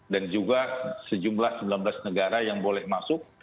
dan juga sejumlah sembilan belas negara yang boleh masuk